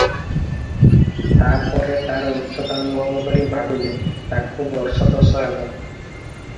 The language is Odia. ତାପରେ ତାର ଉଚ୍ଚତା ଅନୁଭବ କରି ଭାବିଲେ, ତାକୁ ବର୍ଷ ଦଶ ହେବ ।